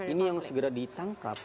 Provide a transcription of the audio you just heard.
ini yang segera ditangkap